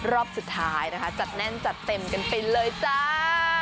รอบสุดท้ายนะคะจัดแน่นจัดเต็มกันไปเลยจ้า